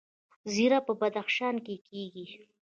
زیره په بدخشان کې کیږي